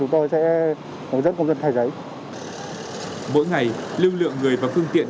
mỗi ngày lưu lượng người và phương tiện